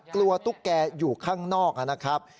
ตุ๊กแกอยู่ข้างนอกนะครับ